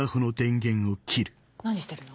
何してるの？